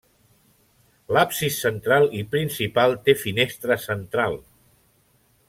L'absis central i principal té finestra central.